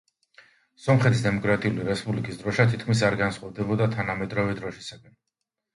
სომხეთის დემოკრატიული რესპუბლიკის დროშა თითქმის არ განსხვავდებოდა თანამედროვე დროშისაგან.